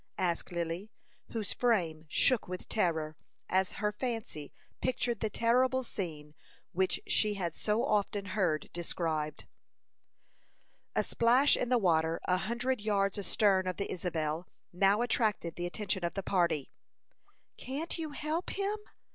asked Lily, whose frame shook with terror, as her fancy pictured the terrible scene which she had so often heard described. A splash in the water a hundred yards astern of the Isabel now attracted the attention of the party. "Can't you help him?"